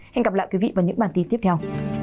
hẹn gặp lại quý vị vào những bản tin tiếp theo